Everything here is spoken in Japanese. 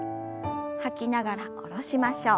吐きながら下ろしましょう。